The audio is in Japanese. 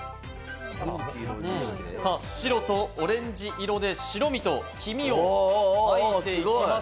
白とオレンジ色で白身と黄身を描いていきます。